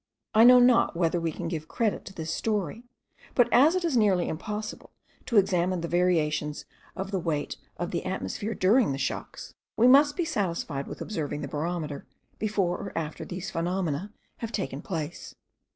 I know not whether we can give credit to this story; but as it is nearly impossible to examine the variations of the weight of the atmosphere during the shocks, we must be satisfied with observing the barometer before or after these phenomena have taken place.